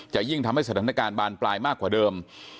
ยิ่งทำให้สถานการณ์บานปลายมากกว่าเดิม